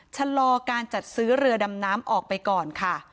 ชะลอการจัดซื้อเรือดำน้ำออกไปก่อนค่ะ